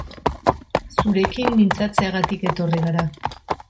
Zurekin mintzatzeagatik etorri gara.